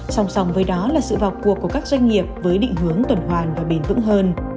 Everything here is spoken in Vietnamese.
song song với đó là sự vào cuộc của các doanh nghiệp với định hướng tuần hoàn và bền vững hơn